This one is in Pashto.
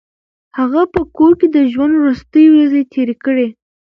هغه په کور کې د ژوند وروستۍ ورځې تېرې کړې.